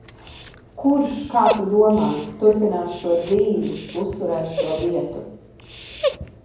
Kurš, kā tu domā, turpinās šo dzīvi, uzturēs šo vietu?